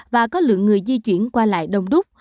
và có lượng người di chuyển qua lại đông đúc